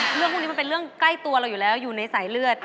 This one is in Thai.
เรื่องพวกนี้มันเป็นเรื่องใกล้ตัวเราอยู่แล้วอยู่ในสายเลือด